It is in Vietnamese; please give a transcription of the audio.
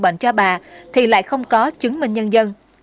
nhưng khi bà chữa bệnh cho bà thì lại không có chứng minh nhân dân